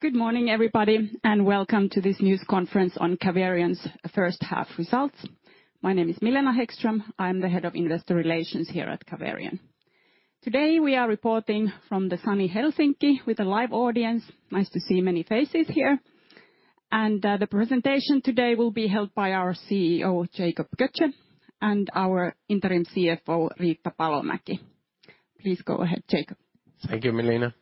Good morning, everybody, and welcome to this news conference on Caverion's first half results. My name is Milena Hæggström, I'm the head of investor relations here at Caverion. Today, we are reporting from the sunny Helsinki with a live audience. Nice to see many faces here. The presentation today will be held by our CEO, Jacob Götzsche, and our Interim CFO, Riitta Palomäki. Please go ahead, Jacob. Thank you, Milena.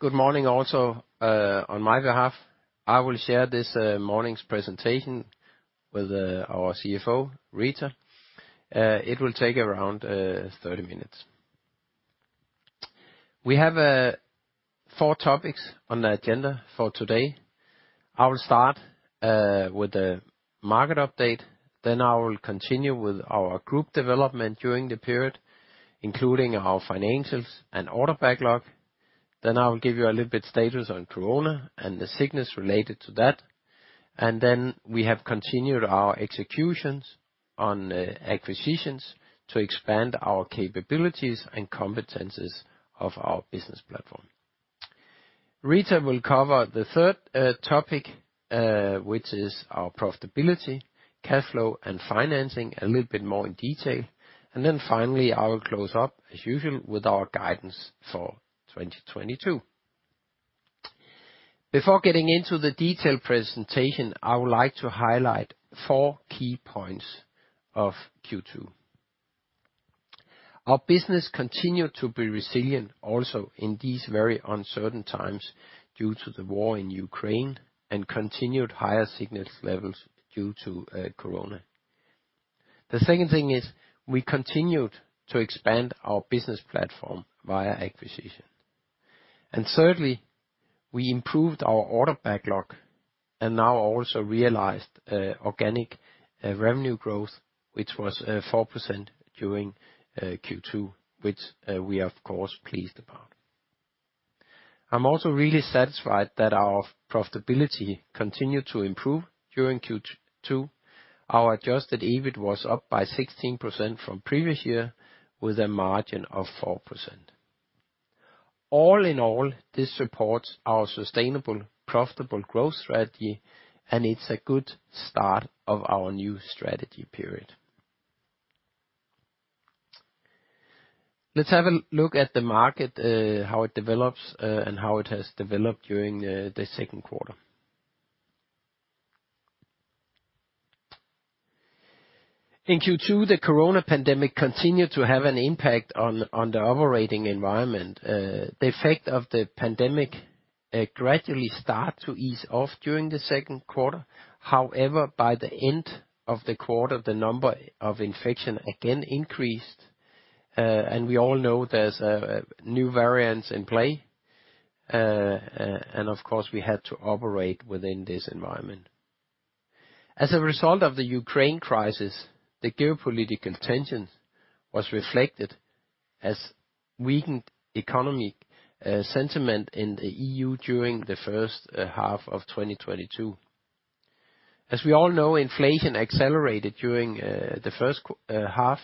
Good morning also on my behalf. I will share this morning's presentation with our CFO, Riitta. It will take around 30 minutes. We have four topics on the agenda for today. I will start with the market update, then I will continue with our group development during the period, including our financials and order backlog. I will give you a little bit status on Corona and the sickness related to that. We have continued our executions on acquisitions to expand our capabilities and competencies of our business platform. Riitta, will cover the third topic, which is our profitability, cash flow, and financing a little bit more in detail. Finally, I will close up as usual with our guidance for 2022. Before getting into the detailed presentation, I would like to highlight four key points of Q2. Our business continued to be resilient also in these very uncertain times due to the war in Ukraine and continued higher sickness levels due to Corona. The second thing is, we continued to expand our business platform via acquisition. Thirdly, we improved our order backlog and now also realized organic revenue growth, which was 4% during Q2, which we are of course pleased about. I'm also really satisfied that our profitability continued to improve during Q2. Our adjusted EBIT was up by 16% from previous year with a margin of 4%. All in all, this supports our sustainable, profitable growth strategy, and it's a good start of our new strategy period. Let's have a look at the market, how it develops, and how it has developed during the second quarter. In Q2, the Corona pandemic continued to have an impact on the operating environment. The effect of the pandemic gradually start to ease off during the second quarter. However, by the end of the quarter, the number of infection again increased, and we all know there's a new variants in play. Of course, we had to operate within this environment. As a result of the Ukraine crisis, the geopolitical tension was reflected as weakened economic sentiment in the EU during the first half of 2022. As we all know, inflation accelerated during the first half,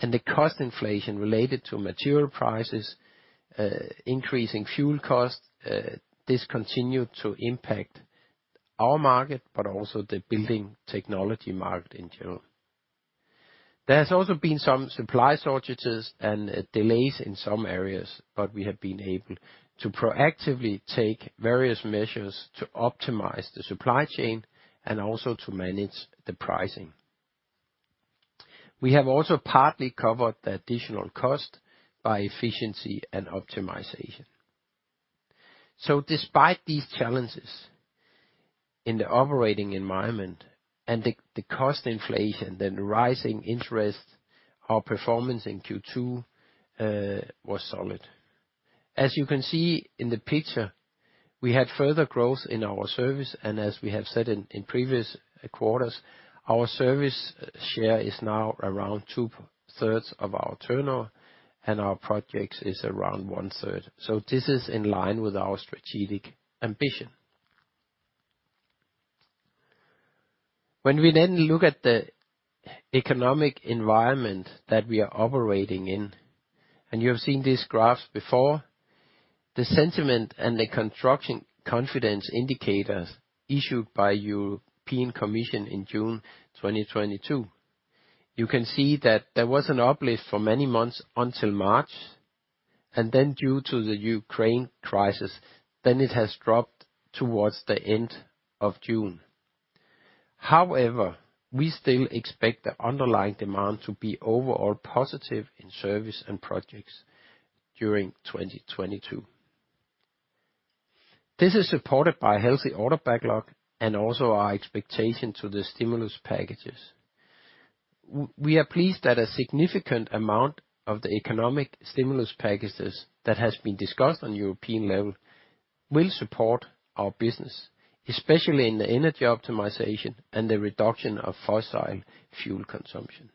and the cost inflation related to material prices, increasing fuel costs, this continued to impact our market, but also the building technology market in general. There's also been some supply shortages and delays in some areas, but we have been able to proactively take various measures to optimize the supply chain and also to manage the pricing. We have also partly covered the additional cost by efficiency and optimization. Despite these challenges in the operating environment and the cost inflation, then rising interest, our performance in Q2 was solid. As you can see in the picture, we had further growth in our service, and as we have said in previous quarters, our service share is now around 2/3 of our turnover, and our projects is around 1/3. This is in line with our strategic ambition. When we then look at the economic environment that we are operating in, and you have seen this graph before, the sentiment and the construction confidence indicators issued by European Commission in June 2022, you can see that there was an uplift for many months until March, and then due to the Ukraine crisis, then it has dropped towards the end of June. However, we still expect the underlying demand to be overall positive in service and projects during 2022. This is supported by healthy order backlog and also our expectation to the stimulus packages. We are pleased that a significant amount of the economic stimulus packages that has been discussed on European level will support our business, especially in the energy optimization and the reduction of fossil fuel consumption.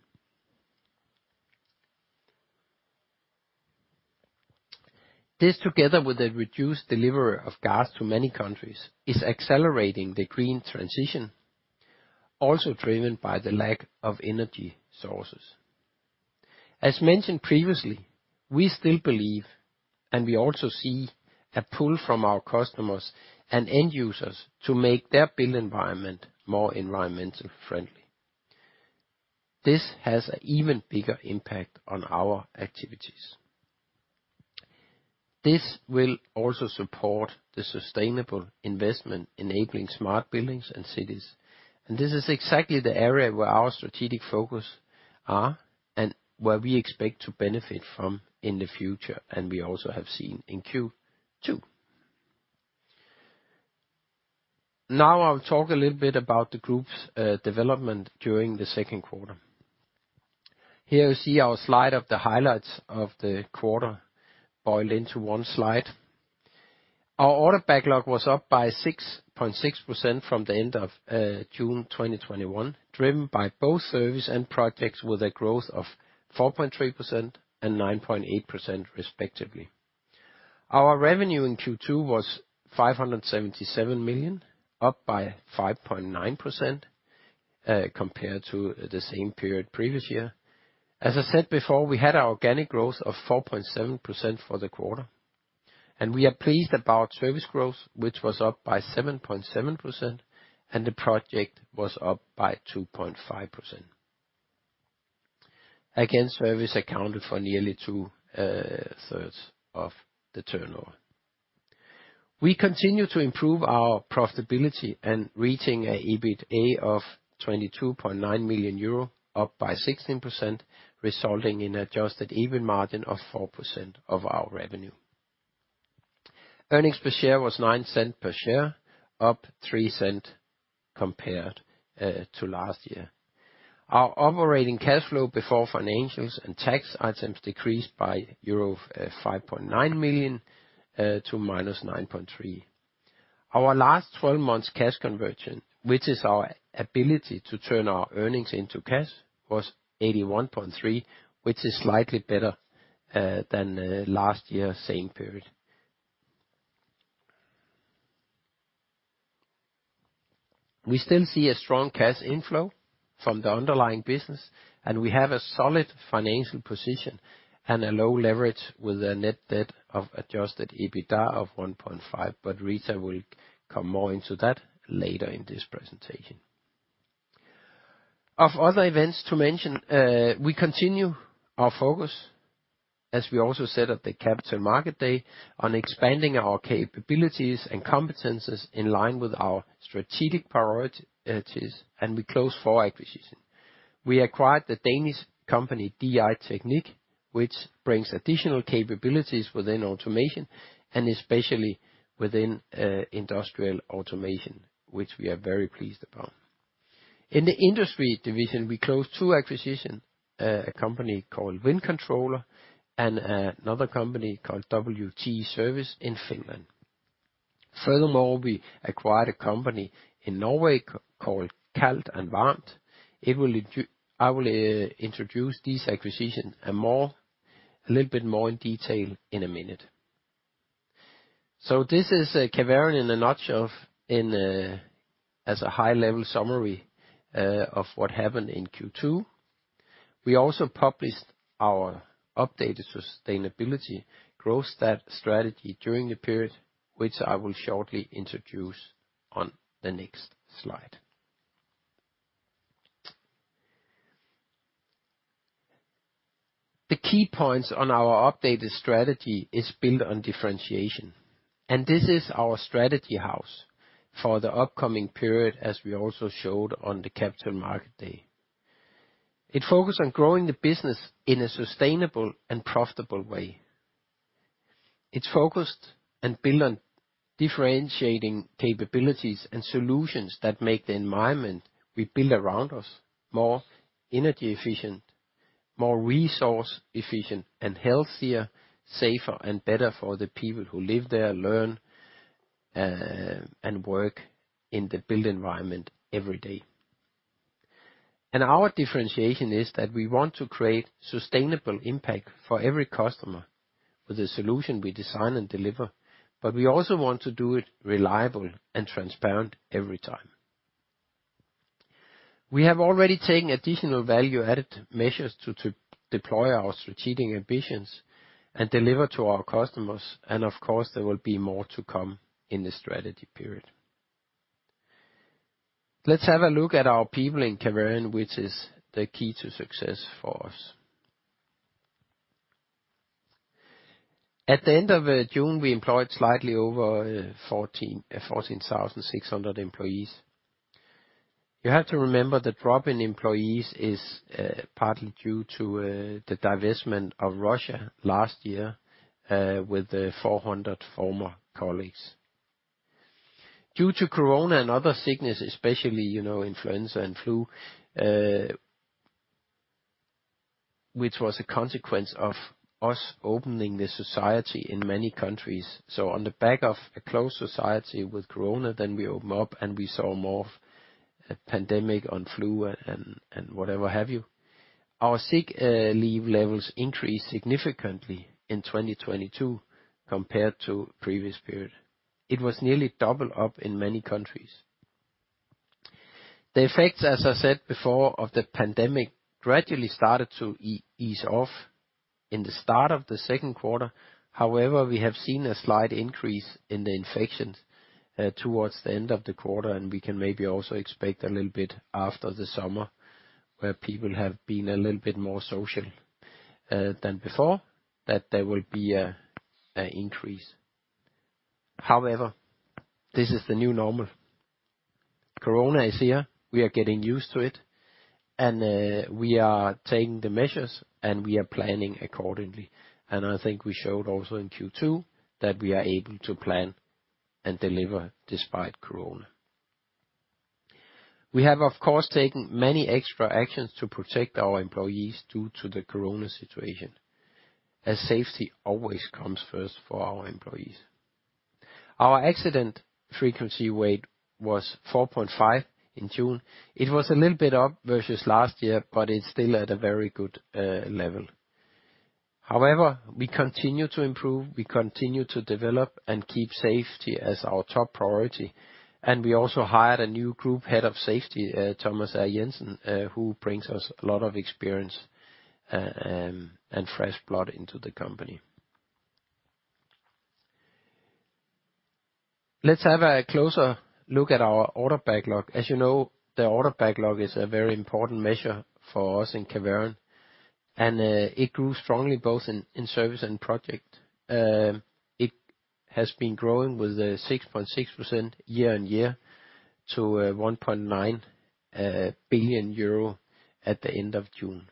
This, together with a reduced delivery of gas to many countries, is accelerating the green transition. Also driven by the lack of energy sources. As mentioned previously, we still believe, and we also see a pull from our customers and end users to make their built environment more environmentally friendly. This has an even bigger impact on our activities. This will also support the sustainable investment enabling smart buildings and cities, and this is exactly the area where our strategic focus are, and where we expect to benefit from in the future, and we also have seen in Q2. Now I'll talk a little bit about the group's development during the second quarter. Here you see our slide of the highlights of the quarter boiled into one slide. Our order backlog was up by 6.6% from the end of June 2021, driven by both service and projects with a growth of 4.3% and 9.8% respectively. Our revenue in Q2 was 577 million, up by 5.9% compared to the same period previous year. As I said before, we had our organic growth of 4.7% for the quarter. We are pleased about service growth, which was up by 7.7% and the projects was up by 2.5%. Again, service accounted for nearly 2/3 of the turnover. We continue to improve our profitability and reaching an EBITDA of 22.9 million euro up by 16%, resulting in adjusted EBIT margin of 4% of our revenue. Earnings per share was 0.09 per share, up 0.03 compared to last year. Our operating cash flow before financials and tax items decreased by euro 5.9 million to minus 9.3 million. Our last twelve months cash conversion, which is our ability to turn our earnings into cash, was 81.3%, which is slightly better than last year, same period. We still see a strong cash inflow from the underlying business, and we have a solid financial position and a low leverage with a net debt to adjusted EBITDA of 1.5. Riitta, will come more into that later in this presentation. Of other events to mention, we continue our focus, as we also said at the Capital Markets Day, on expanding our capabilities and competencies in line with our strategic priorities, and we closed four acquisitions. We acquired the Danish company DI-Teknik, which brings additional capabilities within automation and especially within industrial automation, which we are very pleased about. In the industry division, we closed two acquisition a company called Wind Controller and another company called WT-Service in Finland. Furthermore, we acquired a company in Norway called Kaldt og Varmt. I will introduce these acquisitions a little bit more in detail in a minute. This is Caverion in a nutshell in as a high-level summary of what happened in Q2. We also published our updated sustainability growth strategy during the period, which I will shortly introduce on the next slide. The key points on our updated strategy is built on differentiation. This is our strategy house for the upcoming period, as we also showed on the Capital Markets Day. It focus on growing the business in a sustainable and profitable way. It's focused and built on differentiating capabilities and solutions that make the environment we build around us more energy efficient, more resource efficient and healthier, safer and better for the people who live there, learn, and work in the built environment every day. Our differentiation is that we want to create sustainable impact for every customer with the solution we design and deliver, but we also want to do it reliably and transparent every time. We have already taken additional value-added measures to deploy our strategic ambitions and deliver to our customers. Of course, there will be more to come in this strategy period. Let's have a look at our people in Caverion, which is the key to success for us. At the end of June, we employed slightly over 14,600 employees. You have to remember the drop in employees is partly due to the divestment of Russia last year with the 400 former colleagues. Due to Corona and other sicknesses, especially, you know, influenza and flu, which was a consequence of us opening the society in many countries. On the back of a closed society with Corona, then we open up and we saw more of a pandemic on flu and whatever have you. Our sick leave levels increased significantly in 2022 compared to previous period. It was nearly double up in many countries. The effects, as I said before, of the pandemic gradually started to ease off in the start of the second quarter. However, we have seen a slight increase in the infections towards the end of the quarter, and we can maybe also expect a little bit after the summer, where people have been a little bit more social than before, that there will be an increase. However, this is the new normal. Corona is here, we are getting used to it, and we are taking the measures, and we are planning accordingly. I think we showed also in Q2 that we are able to plan and deliver despite Corona. We have, of course, taken many extra actions to protect our employees due to the Corona situation, as safety always comes first for our employees. Our accident frequency rate was 4.5 in June. It was a little bit up versus last year, but it's still at a very good level. However, we continue to improve, we continue to develop and keep safety as our top priority. We also hired a new Group Head of Safety, Thomas Jensen, who brings us a lot of experience and fresh blood into the company. Let's have a closer look at our order backlog. As you know, the order backlog is a very important measure for us in Caverion, and it grew strongly both in service and project. It has been growing with a 6.6% year-on-year to 1.9 billion euro at the end of June.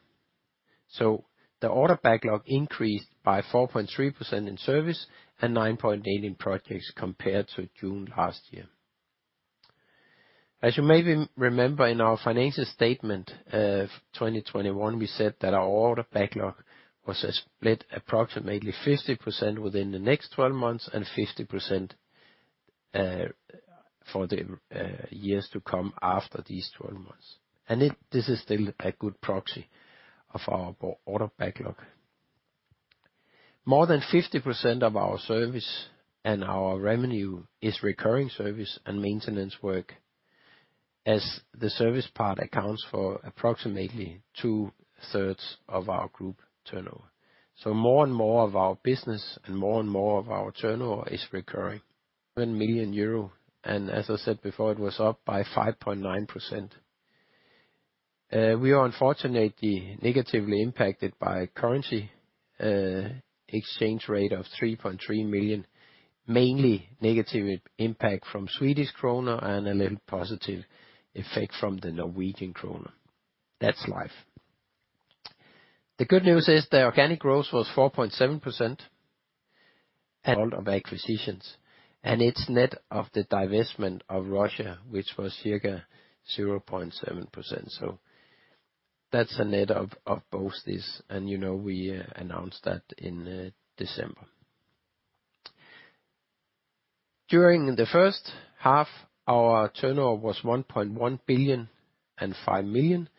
The order backlog increased by 4.3% in service and 9.8% in projects compared to June last year. As you maybe remember in our financial statement of 2021, we said that our order backlog was split approximately 50% within the next 12 months and 50%, for the years to come after these 12 months. It is still a good proxy of our order backlog. More than 50% of our service and our revenue is recurring service and maintenance work, as the service part accounts for approximately 2/3 of our group turnover. More and more of our business and more and more of our turnover is recurring. 1 million euro, and as I said before, it was up by 5.9%. We are unfortunately negatively impacted by currency exchange rate of 3.3 million, mainly negative impact from Swedish Krona and a little positive effect from the Norwegian Krone. That's life. The good news is the organic growth was 4.7% and all of acquisitions, and it's net of the divestment of Russia, which was circa 0.7%. That's a net of both these. You know, we announced that in December. During the first half, our turnover was 1.105 billion,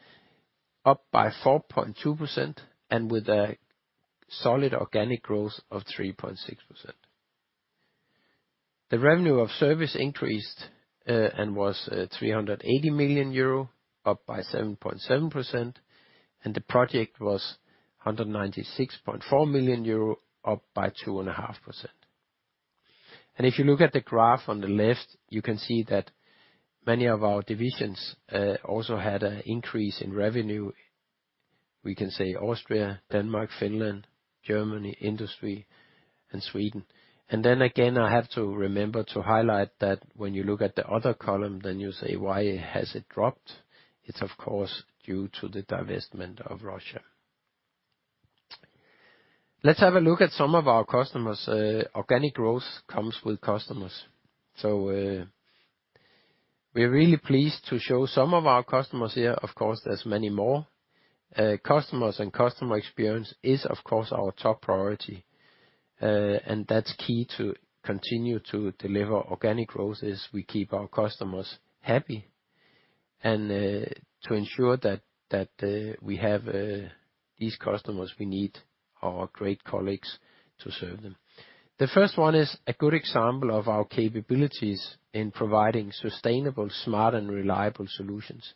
up by 4.2%, and with a solid organic growth of 3.6%. The revenue of service increased and was 380 million euro, up by 7.7%, and the project was 196.4 million euro, up by 2.5%. If you look at the graph on the left, you can see that many of our divisions also had an increase in revenue. We can say Austria, Denmark, Finland, Germany industry, and Sweden. I have to remember to highlight that when you look at the other column, then you say, "Why has it dropped?" It's, of course, due to the divestment of Russia. Let's have a look at some of our customers. Organic growth comes with customers. We are really pleased to show some of our customers here. Of course, there's many more. Customers and customer experience is, of course, our top priority. That's key to continue to deliver organic growth is we keep our customers happy. To ensure that we have these customers, we need our great colleagues to serve them. The first one is a good example of our capabilities in providing sustainable, smart, and reliable solutions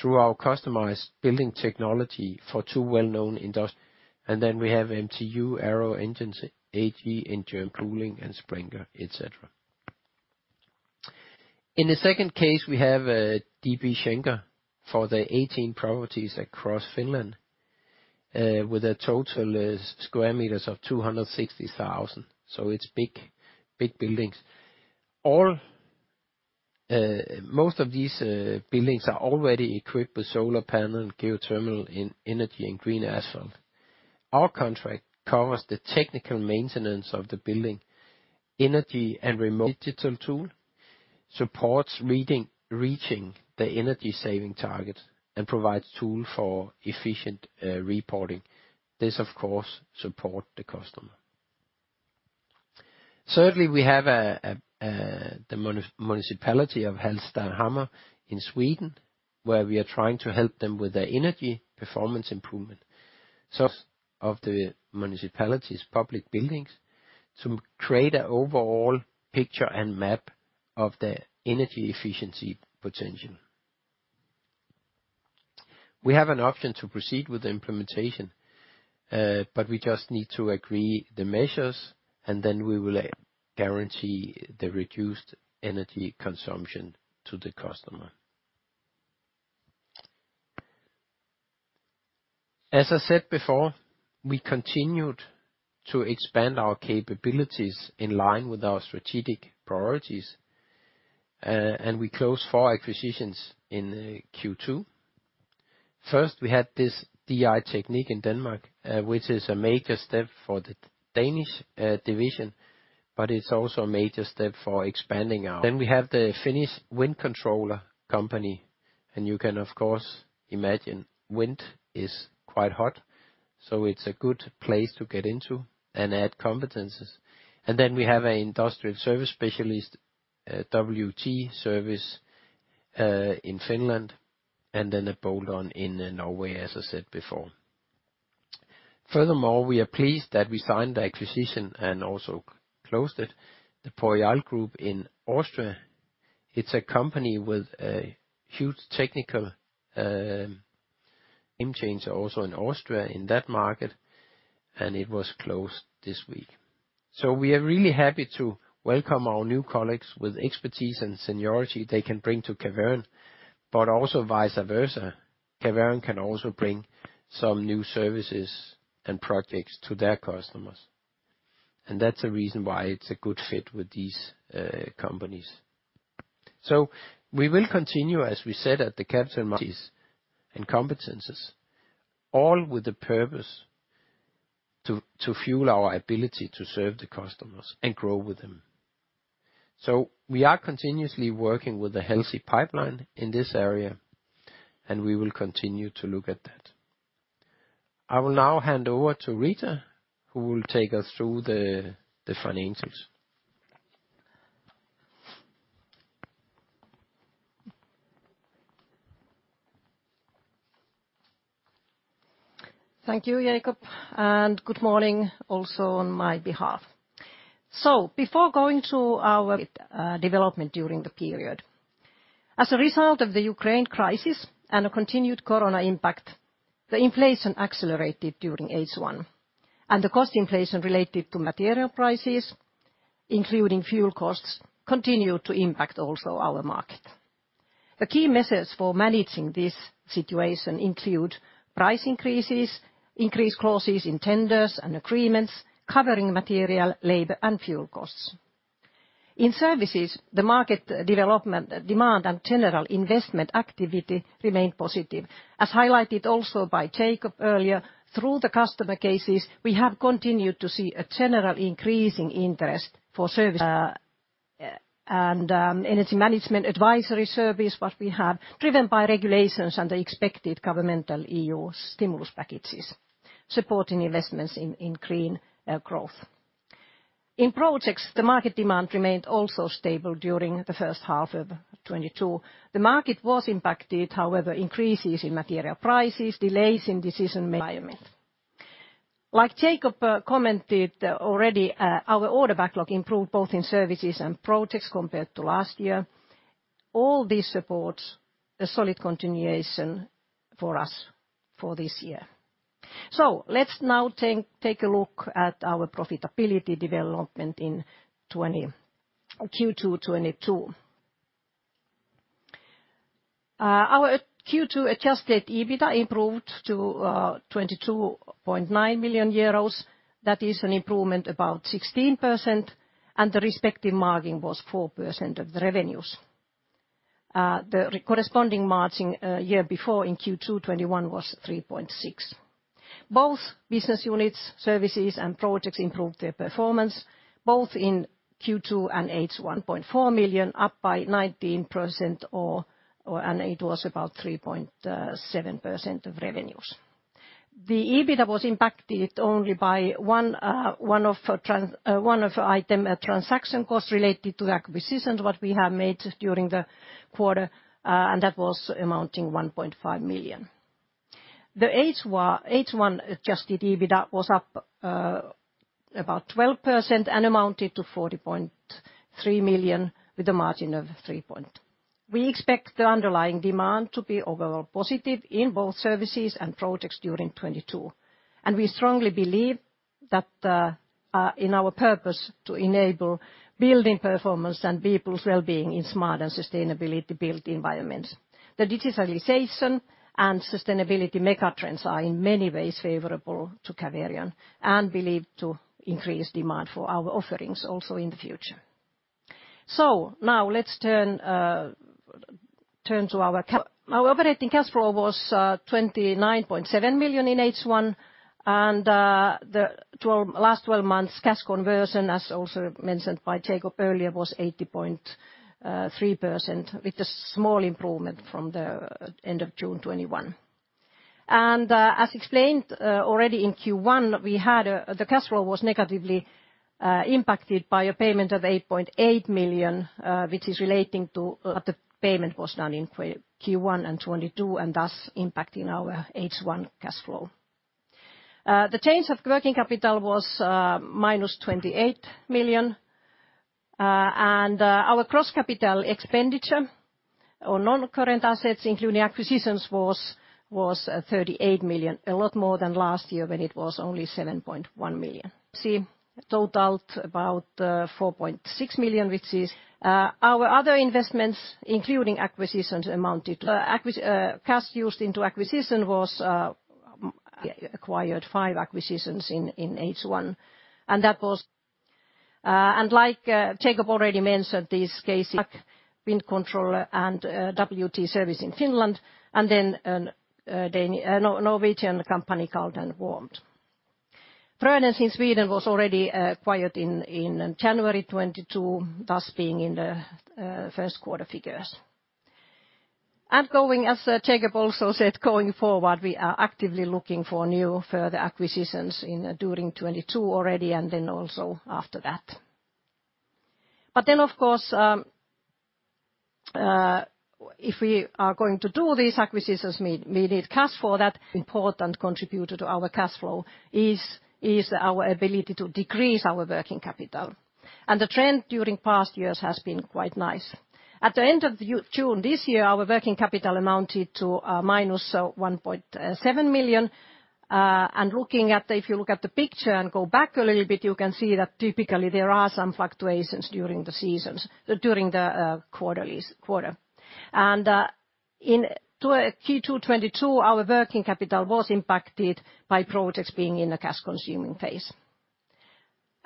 through our customized building technology for two well-known industries. We have MTU Aero Engines AG cooling and Axel Springer, et cetera. In the second case, we have DB Schenker for the 18 properties across Finland with a total of 260,000 square meters. It's big buildings. All most of these buildings are already equipped with solar panel, geothermal energy and green asphalt. Our contract covers the technical maintenance of the building, energy and remote digital tool supports reaching the energy saving targets, and provides tool for efficient reporting. This, of course, supports the customer. We have the municipality of Halmstad, Halland in Sweden, where we are trying to help them with their energy performance improvement. Sourcing of the municipality's public buildings to create an overall picture and map of the energy efficiency potential. We have an option to proceed with the implementation, but we just need to agree the measures, and then we will guarantee the reduced energy consumption to the customer. As I said before, we continued to expand our capabilities in line with our strategic priorities. We closed four acquisitions in Q2. First, we had this DI-Teknik in Denmark, which is a major step for the Danish division, but it's also a major step. We have the Finnish Wind Controller company, and you can, of course, imagine wind is quite hot, so it's a good place to get into and add competencies. We have an industrial service specialist, WT-Service, in Finland, and then [Kaldt og Varmt] in Norway, as I said before. Furthermore, we are pleased that we signed the acquisition and also closed it. The PORREAL Group in Austria, it's a company with a huge technical game changer also in Austria in that market, and it was closed this week. We are really happy to welcome our new colleagues with expertise and seniority they can bring to Caverion, but also vice versa. Caverion can also bring some new services and projects to their customers, and that's a reason why it's a good fit with these companies. We will continue, as we said at the Capital Markets Day and competencies, all with the purpose to fuel our ability to serve the customers and grow with them. We are continuously working with a healthy pipeline in this area, and we will continue to look at that. I will now hand over to Riitta, who will take us through the financials. Thank you, Jacob, and good morning also on my behalf. Before going to our development during the period. As a result of the Ukraine crisis and a continued corona impact, the inflation accelerated during H1. The cost inflation related to material prices, including fuel costs, continued to impact also our market. The key measures for managing this situation include price increases, increased clauses in tenders and agreements covering material, labor, and fuel costs. In services, the market development demand and general investment activity remained positive. As highlighted also by Jacob earlier, through the customer cases, we have continued to see a general increasing interest for services and energy management advisory service, what we have, driven by regulations and the expected governmental EU stimulus packages, supporting investments in clean growth. In projects, the market demand remained also stable during the first half of 2022. The market was impacted, however, by increases in material prices, delays in decision-making environment. Like Jacob, commented already, our order backlog improved both in services and projects compared to last year. All this supports a solid continuation for us for this year. Let's now take a look at our profitability development in Q2 2022. Our Q2 adjusted EBITDA improved to 22.9 million euros. That is an improvement about 16%, and the respective margin was 4% of the revenues. The corresponding margin year before in Q2 2021 was 3.6%. Both business units, services and projects, improved their performance, both in Q2 and H1, 1.4 million, up by 19% and it was about 3.7% of revenues. The EBITDA was impacted only by one item, transaction costs related to the acquisitions that we have made during the quarter, and that was amounting 1.5 million. The H1 adjusted EBITDA was up about 12% and amounted to 40.3 million with a margin of 3%. We expect the underlying demand to be overall positive in both services and projects during 2022. We strongly believe that in our purpose to enable building performance and people's well-being in smart and sustainable built environments. The digitalization and sustainability mega trends are in many ways favorable to Caverion and believed to increase demand for our offerings also in the future. Now let's turn to our cap. Our operating cash flow was 29.7 million in H1, the last twelve months cash conversion, as also mentioned by Jacob earlier, was 80.3%, with a small improvement from the end of June 2021. As explained already in Q1, we had the cash flow was negatively impacted by a payment of 8.8 million, which is relating to. The payment was done in Q1 in 2022, and thus impacting our H1 cash flow. The change of working capital was minus 28 million. Our cross capital expenditure or non-current assets including acquisitions was 38 million, a lot more than last year when it was only 7.1 million. Totaled about 4.6 million, which is. Our other investments, including acquisitions, amounted. Acquired five acquisitions in H1, and that was, like Jacob already mentioned, these cases, Wind Controller and WT-Service in Finland, and then a Norwegian company called Kaldt og Varmt. Frödéns in Sweden was already acquired in January 2022, thus being in the first quarter figures. Going, as Jacob also said, going forward, we are actively looking for new further acquisitions during 2022 already, and then also after that. Of course, if we are going to do these acquisitions, we need cash for that. Important contributor to our cash flow is our ability to decrease our working capital. The trend during past years has been quite nice. At the end of June this year, our working capital amounted to minus 1.7 million. Looking at the, if you look at the picture and go back a little bit, you can see that typically there are some fluctuations during the seasons, during the quarters. Into Q2 2022, our working capital was impacted by projects being in a cash-consuming phase.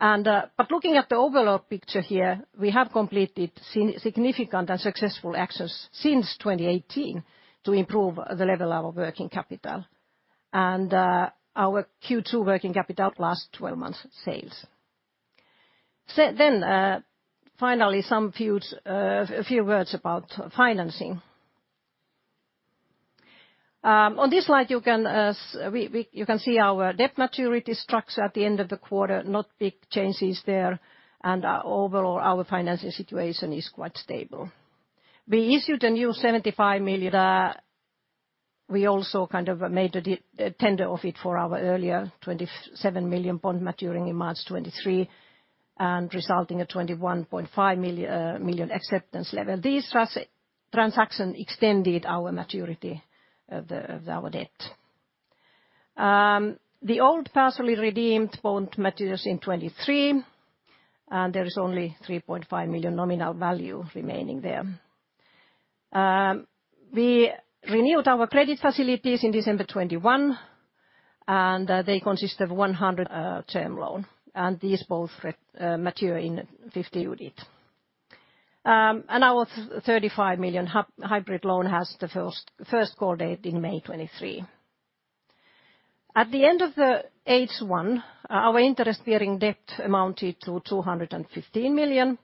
Looking at the overall picture here, we have completed significant and successful actions since 2018 to improve the level of our working capital. Our Q2 working capital last twelve months sales. Finally, some few words about financing. On this slide, you can see our debt maturity structure at the end of the quarter, no big changes there, and overall, our financial situation is quite stable. We issued a new 75 million, we also kind of made a tender of it for our earlier 27 million bond maturing in March 2023 and resulting in a 21.5 million acceptance level. This transaction extended our maturity of our debt. The old partially redeemed bond matures in 2023, and there is only 3.5 million nominal value remaining there. We renewed our credit facilities in December 2021, and they consist of a 100 million term loan, and these both mature in 2058. Our 35 million hybrid loan has the first call date in May 2023. At the end of the H1, our interest-bearing debt amounted to 215 million.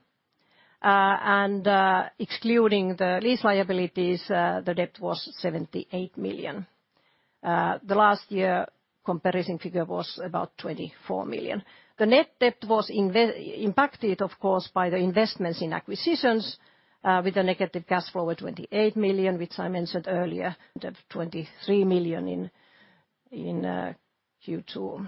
Excluding the lease liabilities, the debt was 78 million. The last year comparison figure was about 24 million. The net debt was impacted, of course, by the investments in acquisitions, with a negative cash flow of 28 million, which I mentioned earlier, and of 23 million in Q2.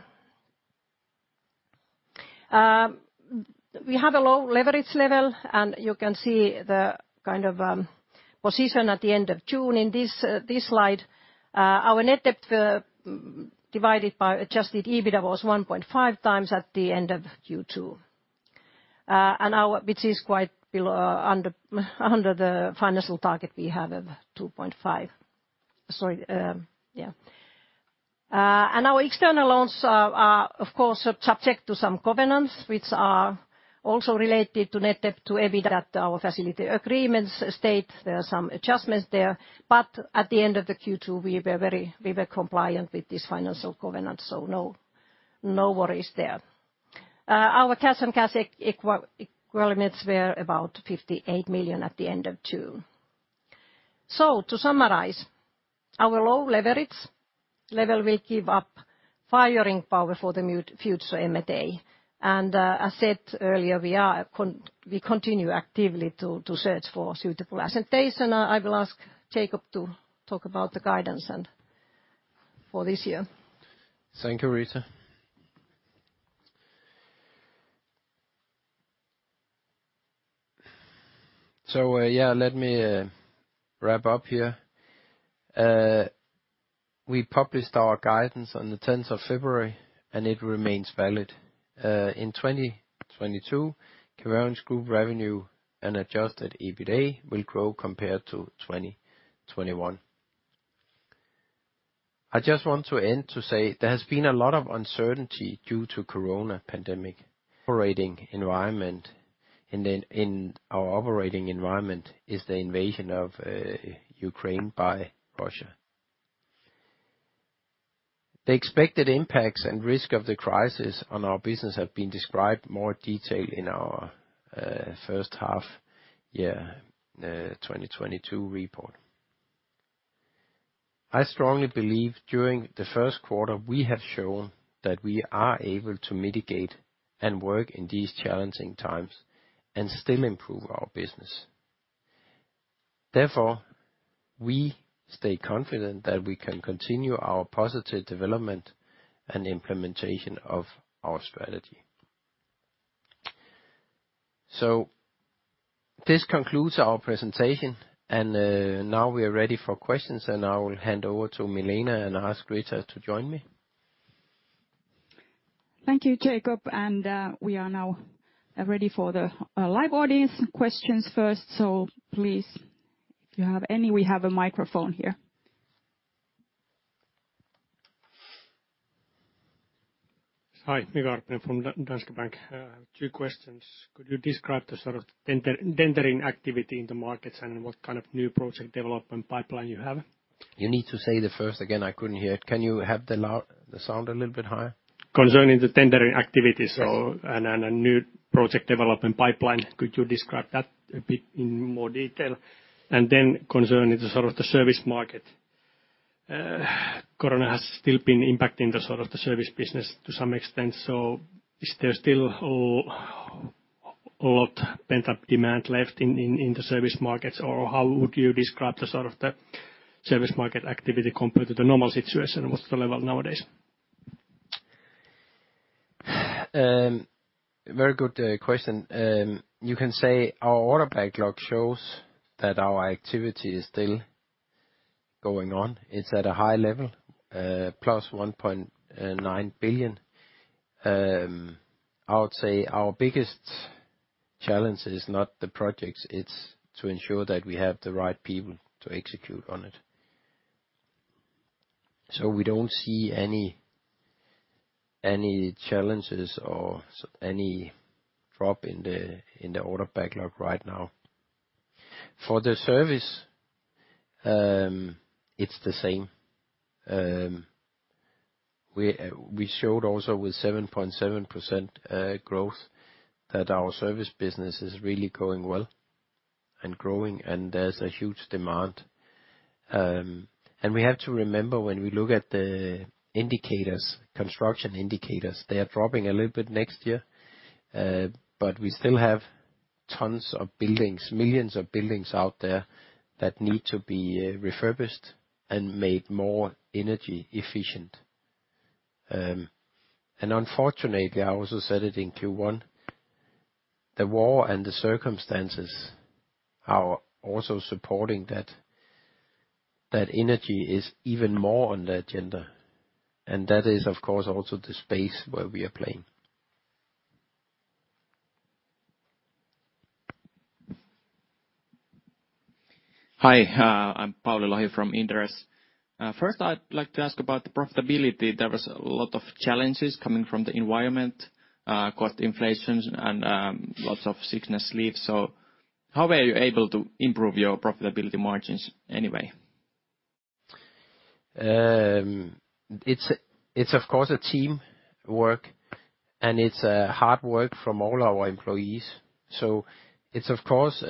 We have a low leverage level, and you can see the kind of position at the end of June. In this slide, our net debt divided by adjusted EBITDA was 1.5 times at the end of Q2, which is quite below under the financial target we have of 2.5. Our external loans are of course subject to some covenants, which are also related to net debt to EBITDA that our facility agreements state there are some adjustments there. At the end of the Q2, we were compliant with this financial covenant, so no worries there. Our cash and cash equivalents were about 58 million at the end of June. To summarize, our low leverage level will give us firepower for the future M&A. As said earlier, we continue actively to search for suitable acquisitions. I will ask Jacob, to talk about the guidance for this year. Thank you, Riitta. Let me wrap up here. We published our guidance on the 10th of February, and it remains valid. In 2022, Caverion's group revenue and adjusted EBITDA will grow compared to 2021. I just want to say there has been a lot of uncertainty due to corona pandemic. In our operating environment is the invasion of Ukraine by Russia. The expected impacts and risk of the crisis on our business have been described in more detail in our first half year 2022 report. I strongly believe during the first quarter we have shown that we are able to mitigate and work in these challenging times and still improve our business. Therefore, we stay confident that we can continue our positive development and implementation of our strategy. This concludes our presentation, and now we are ready for questions, and I will hand over to Milena, and ask Riitta to join me. Thank you, Jacob, and we are now ready for the live audience questions first. Please, if you have any, we have a microphone here. Hi. Mika Karppinen from Danske Bank. Two questions. Could you describe the sort of tendering activity in the markets and what kind of new project development pipeline you have? You need to say the first again, I couldn't hear it. Can you have the sound a little bit higher? Concerning the tendering activities. Yes.A new project development pipeline, could you describe that a bit in more detail? Concerning the sort of the service market, Corona has still been impacting the sort of the service business to some extent. Is there still a lot pent-up demand left in the service markets? Or how would you describe the sort of the service market activity compared to the normal situation? What's the level nowadays? Very good question. You can say our order backlog shows that our activity is still going on. It's at a high level, +1.9 billion. I would say our biggest challenge is not the projects, it's to ensure that we have the right people to execute on it. We don't see any challenges or any drop in the order backlog right now. For the service, it's the same. We showed also with 7.7% growth that our service business is really going well and growing, and there's a huge demand. We have to remember when we look at the indicators, construction indicators, they are dropping a little bit next year, but we still have tons of buildings, millions of buildings out there that need to be refurbished and made more energy efficient. Unfortunately, I also said it in Q1, the war and the circumstances are also supporting that energy is even more on the agenda, and that is, of course, also the space where we are playing. Hi. I'm Pauli Lohi from Inderes. First I'd like to ask about the profitability. There was a lot of challenges coming from the environment, cost inflations and, lots of sickness leave. How were you able to improve your profitability margins anyway? It's of course teamwork, and it's hard work from all our employees. It's of course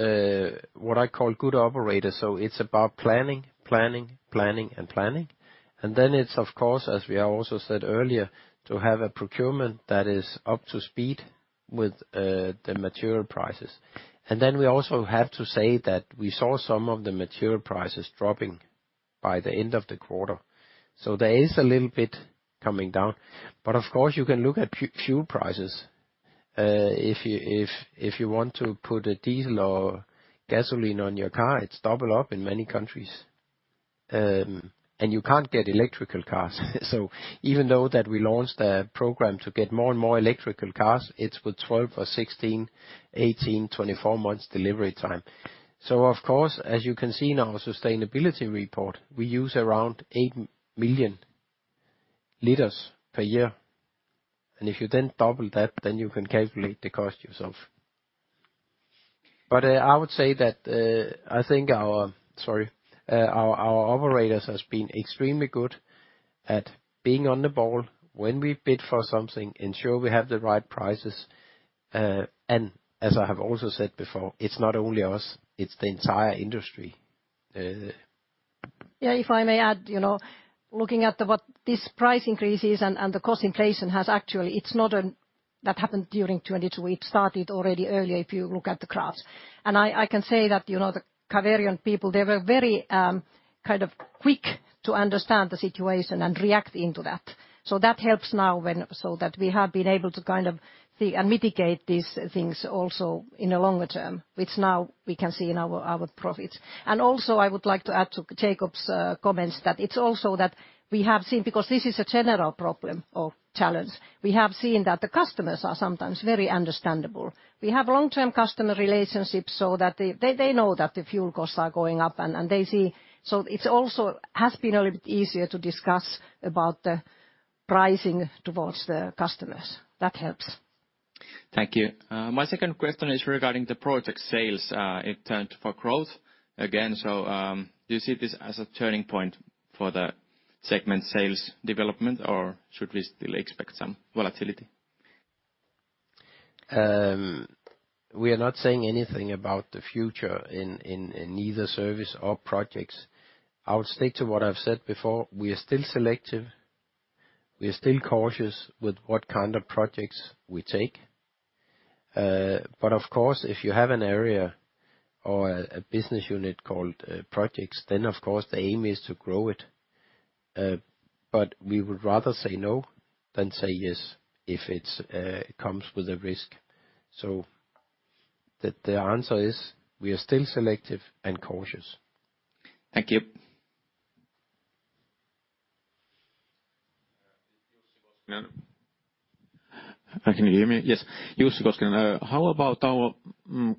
what I call good operations. It's about planning. It's of course, as we have also said earlier, to have a procurement that is up to speed with the material prices. We also have to say that we saw some of the material prices dropping by the end of the quarter. There is a little bit coming down. Of course you can look at fuel prices. If you want to put diesel or gasoline in your car, it's doubled in many countries. You can't get electric cars. Even though we launched a program to get more and more electric cars, it's with 12 or 16, 18, 24 months delivery time. Of course, as you can see in our sustainability report, we use around 8 million liters per year. If you then double that, then you can calculate the cost yourself. I would say that I think our operators has been extremely good at being on the ball when we bid for something, ensure we have the right prices. As I have also said before, it's not only us, it's the entire industry. Yeah, if I may add, you know, looking at what these price increases and the cost inflation has actually that happened during 2022. It started already earlier, if you look at the graphs. I can say that, you know, the Caverion people, they were very kind of quick to understand the situation and react to that. So that helps now. So that we have been able to kind of see and mitigate these things also in a longer term, which now we can see in our profits. I would like to add to Jacob's comments that it's also that we have seen, because this is a general problem or challenge, we have seen that the customers are sometimes very understanding. We have long-term customer relationships so that they know that the fuel costs are going up, and they see. It's also has been a little bit easier to discuss about the pricing towards the customers. That helps. Thank you. My second question is regarding the project sales in terms of growth again. Do you see this as a turning point for the segment sales development, or should we still expect some volatility? We are not saying anything about the future in neither service or projects. I would stick to what I've said before. We are still selective. We are still cautious with what kind of projects we take. Of course, if you have an area or a business unit called projects, then of course the aim is to grow it. We would rather say no than say yes if it's comes with a risk. The answer is we are still selective and cautious. Thank you. Can you hear me? Yes. Jussi Koskinen. How about our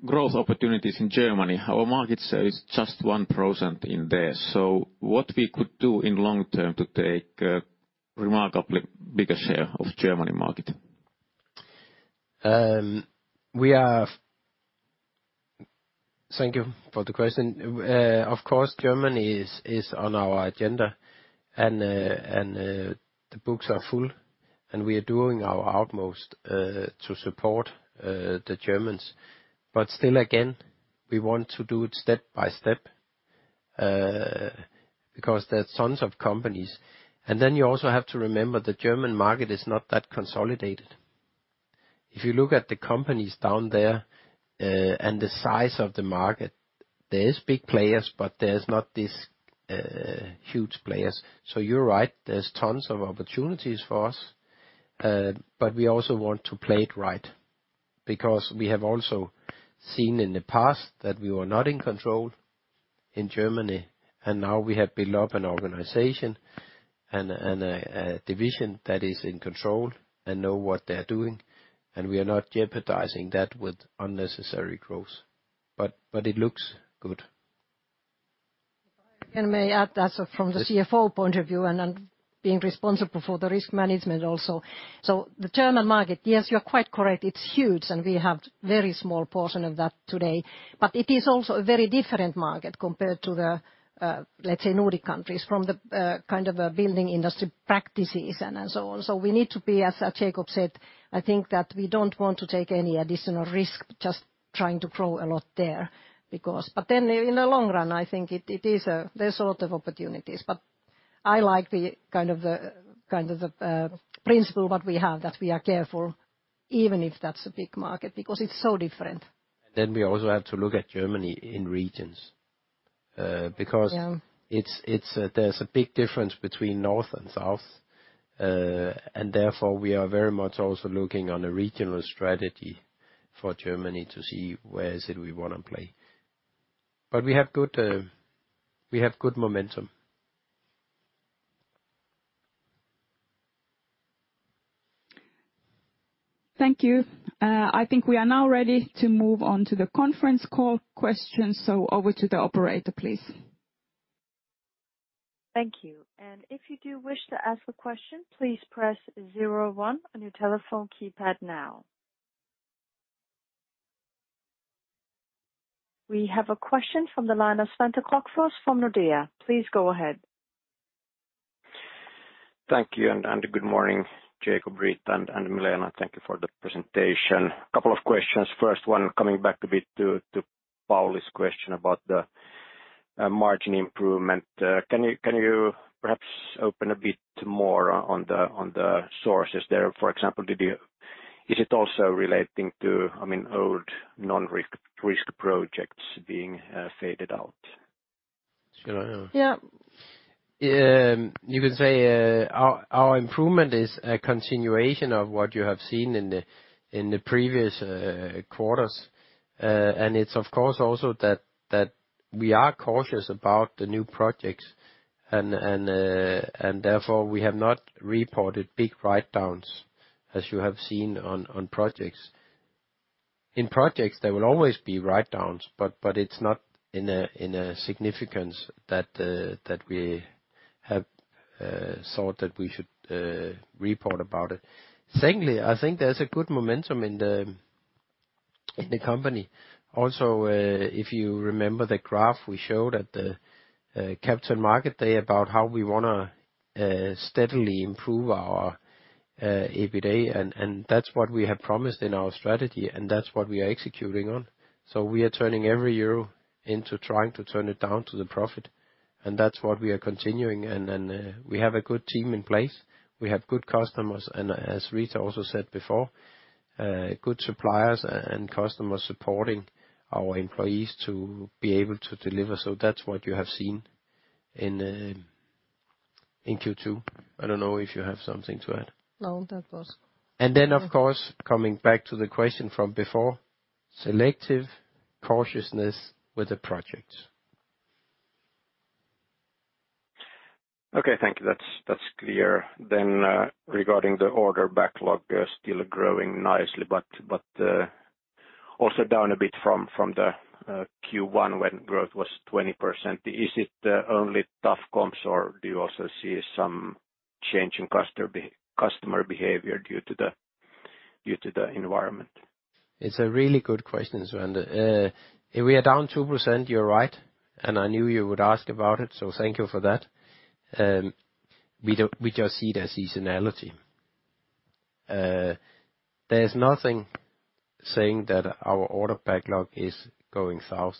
growth opportunities in Germany? Our market share is just 1% in there. What we could do in long-term to take a remarkably bigger share of German market? Thank you for the question. Of course, Germany is on our agenda and the books are full, and we are doing our utmost to support the Germans. Still, again, we want to do it step by step, because there's tons of companies. Then you also have to remember, the German market is not that consolidated. If you look at the companies down there and the size of the market, there is big players, but there's not these huge players. You're right, there's tons of opportunities for us, but we also want to play it right. Because we have also seen in the past that we were not in control in Germany, and now we have built up an organization and a division that is in control and know what they are doing, and we are not jeopardizing that with unnecessary growth. But it looks good. If I again may add, as from the CFO point of view and being responsible for the risk management also. The German market, yes, you're quite correct, it's huge, and we have very small portion of that today. It is also a very different market compared to the, let's say, Nordic countries from the kind of building industry practices and so on. We need to be, as Jacob said, I think that we don't want to take any additional risk just trying to grow a lot there because. Then in the long run, I think there's a lot of opportunities. I like the kind of principle what we have, that we are careful, even if that's a big market, because it's so different. We also have to look at Germany in regions. Yeah. Because it's a there's a big difference between north and south. Therefore we are very much also looking on a regional strategy for Germany to see where is it we wanna play. We have good momentum. Thank you. I think we are now ready to move on to the conference call questions. Over to the operator, please. Thank you. If you do wish to ask a question, please press zero one on your telephone keypad now. We have a question from the line of Svante Krokfors from Nordea. Please go ahead. Thank you, and good morning, Jacob, Riitta, and Milena. Thank you for the presentation. A couple of questions. First one, coming back a bit to Pauli's question about the margin improvement. Can you perhaps open a bit more on the sources there? For example, is it also relating to, I mean, old non-risk projects being faded out? Should I? Yeah. You could say our improvement is a continuation of what you have seen in the previous quarters. It's of course also that we are cautious about the new projects and therefore we have not reported big write-downs as you have seen on projects. In projects, there will always be write-downs, but it's not in a significance that we have thought that we should report about it. Secondly, I think there's a good momentum in the company. Also, if you remember the graph we showed at the Capital Markets Day about how we wanna steadily improve our EBITDA, and that's what we have promised in our strategy, and that's what we are executing on. We are turning every euro into trying to turn it down to the profit, and that's what we are continuing. We have a good team in place. We have good customers, and as Riitta also said before, good suppliers and customers supporting our employees to be able to deliver. That's what you have seen in Q2. I don't know if you have something to add. No, that was. Of course, coming back to the question from before, selective cautiousness with the projects. Okay. Thank you. That's clear. Regarding the order backlog, still growing nicely, but also down a bit from the Q1 when growth was 20%. Is it only tough comps, or do you also see some change in customer behavior due to the environment? It's a really good question, Svante. We are down 2%, you're right, and I knew you would ask about it, so thank you for that. We just see the seasonality. There's nothing saying that our order backlog is going south.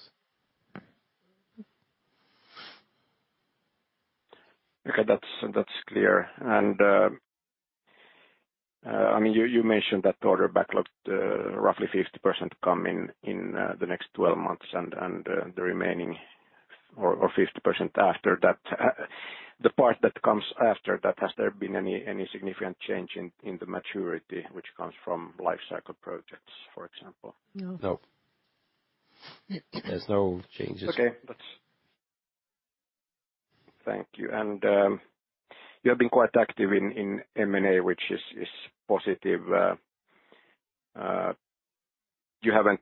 Okay. That's clear. I mean, you mentioned that the order backlogs roughly 50% come in in the next 12 months, and the remaining are 50% after that. The part that comes after that, has there been any significant change in the maturity which comes from life cycle projects, for example? No. No. There's no changes. Okay. That's. Thank you. You have been quite active in M&A, which is positive. You haven't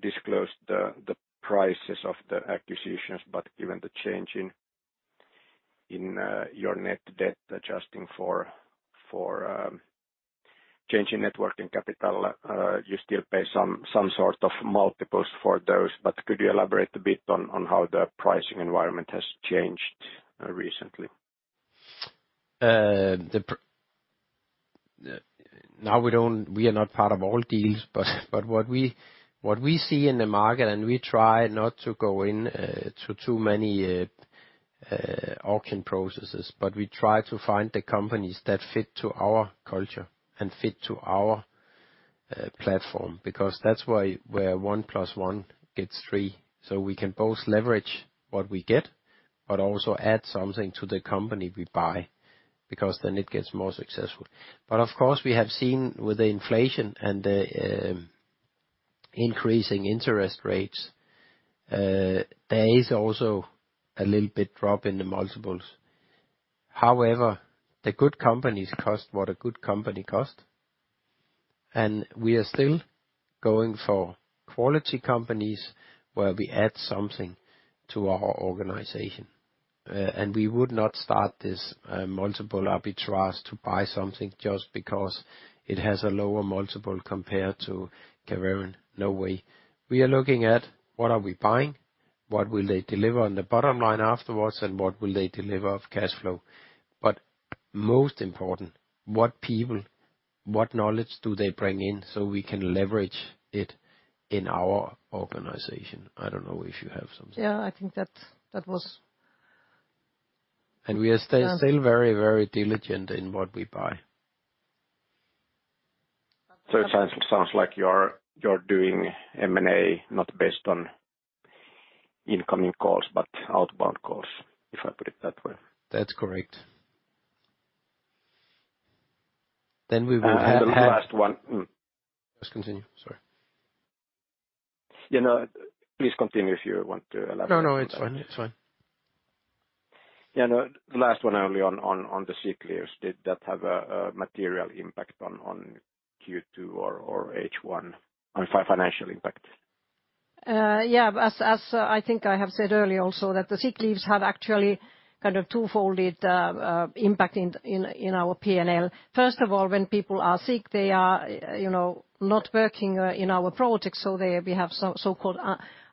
disclosed the prices of the acquisitions, but given the change in your net debt, adjusting for change in working capital, you still pay some sort of multiples for those, but could you elaborate a bit on how the pricing environment has changed recently? Now we are not part of all deals, but what we see in the market, and we try not to go in to too many auction processes, but we try to find the companies that fit to our culture and fit to our platform, because that's why where one plus one gets three, so we can both leverage what we get but also add something to the company we buy, because then it gets more successful. Of course, we have seen with the inflation and the increasing interest rates, there is also a little bit drop in the multiples. However, the good companies cost what a good company cost, and we are still going for quality companies where we add something to our organization. We would not start this multiple arbitrage to buy something just because it has a lower multiple compared to Caverion. No way. We are looking at what are we buying, what will they deliver on the bottomline afterwards, and what will they deliver of cash flow. Most important, what people, what knowledge do they bring in so we can leverage it in our organization? I don't know if you have something. Yeah, I think that was. We are still very, very diligent in what we buy. It sounds like you're doing M&A not based on incoming calls, but outbound calls, if I put it that way. That's correct. We will have. The last one. Yes. Continue. Sorry. Yeah, no. Please continue if you want to elaborate on that. No, no, it's fine. It's fine. Yeah, no. The last one only on the sick leaves. Did that have a material impact on Q2 or H1? On financial impact. Yeah. As I think I have said earlier also, that the sick leaves have actually kind of two-fold impact in our P&L. First of all, when people are sick, they are, you know, not working in our projects, so we have so-called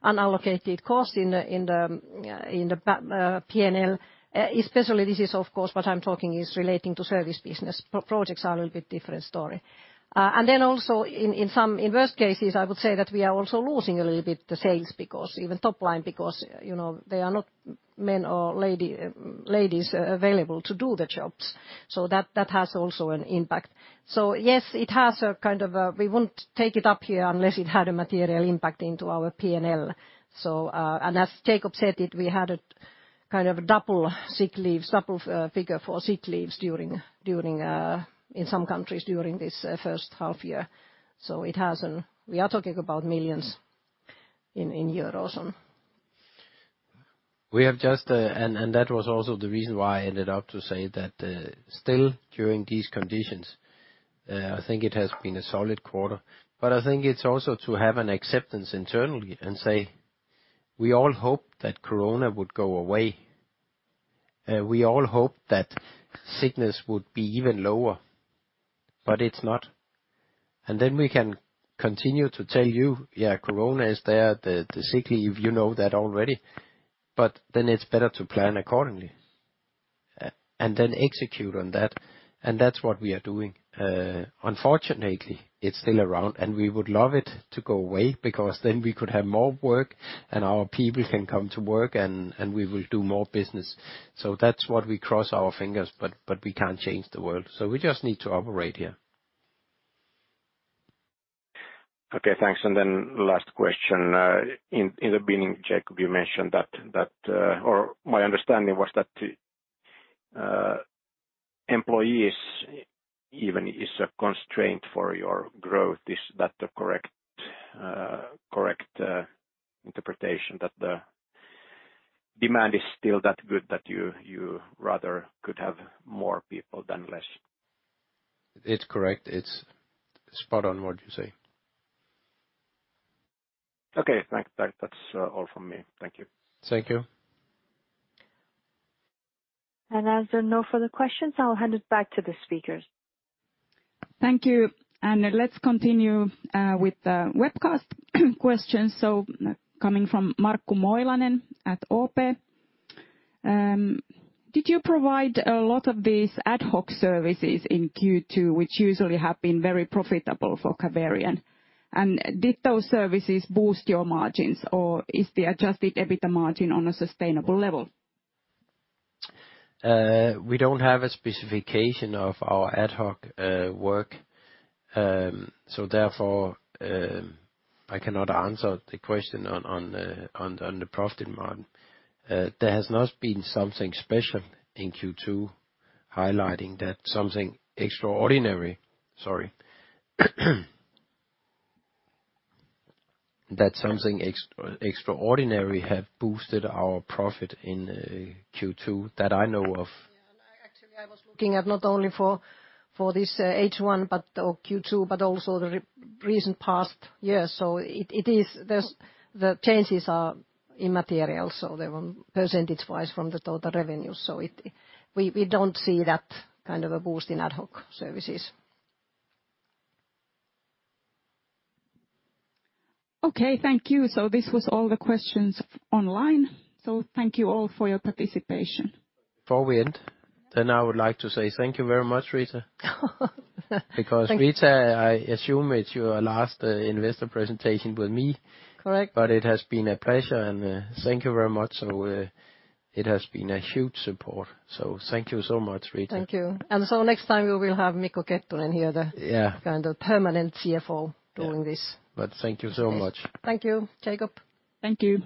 unallocated cost in the P&L. Especially this is, of course, what I'm talking relating to service business. Projects are a little bit different story. And then also in some worst cases, I would say that we are also losing a little bit the sales because even top line, because, you know, there are not men or ladies available to do the jobs. So that has also an impact. So yes, it has a kind of an impact. We wouldn't take it up here unless it had a material impact on our P&L. As Jacob, said it, we had a kind of double sick leave figure for sick leaves in some countries during this first half year. It has. We are talking about millions in EUR. That was also the reason why I ended up to say that, still, during these conditions, I think it has been a solid quarter. I think it's also to have an acceptance internally and say, "We all hope that corona would go away. We all hope that sickness would be even lower, but it's not." Then we can continue to tell you, yeah, corona is there, the sick leave, you know that already, but then it's better to plan accordingly and then execute on that, and that's what we are doing. Unfortunately, it's still around, and we would love it to go away because then we could have more work, and our people can come to work, and we will do more business. That's what we cross our fingers, but we can't change the world, so we just need to operate here. Okay, thanks. Last question. In the beginning, Jacob, you mentioned that or my understanding was that employees even is a constraint for your growth. Is that the correct interpretation, that the demand is still that good that you rather could have more people than less. It's correct. It's spot on what you say. Okay, thanks. That's all from me. Thank you. Thank you. As there are no further questions, I'll hand it back to the speakers. Thank you. Let's continue with the webcast questions. Coming from Markku Moilanen at OP. Did you provide a lot of these ad hoc services in Q2, which usually have been very profitable for Caverion? Did those services boost your margins, or is the adjusted EBITDA margin on a sustainable level? We don't have a specification of our ad hoc work. Therefore, I cannot answer the question on the profit margin. There has not been something special in Q2 highlighting that something extraordinary. Sorry. That something extraordinary have boosted our profit in Q2 that I know of. Yeah. I actually was looking at not only for this H1 or Q2, but also the recent past years. It is. The changes are immaterial, so they were percentage-wise from the total revenue. We don't see that kind of a boost in ad hoc services. Okay. Thank you. This was all the questions online, so thank you all for your participation. Before we end, then I would like to say thank you very much, Riitta. Thank you. Because Riitta, I assume it's your last investor presentation with me. Correct. It has been a pleasure and thank you very much. It has been a huge support. Thank you so much, Riitta. Thank you. Next time you will have Mikko Kettunen here. Yeah. Kind of permanent CFO doing this. Thank you so much. Thank you, Jacob. Thank you.